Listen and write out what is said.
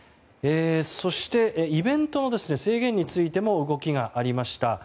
イベントの制限についても動きがありました。